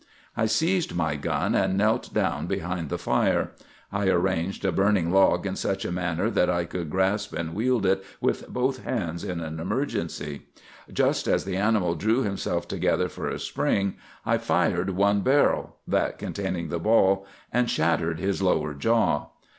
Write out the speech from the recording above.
I seized my gun, and knelt down behind the fire. I arranged a burning log in such a manner that I could grasp and wield it with both hands in an emergency. Just as the animal drew himself together for a spring, I fired one barrel,—that containing the ball,—and shattered his lower jaw.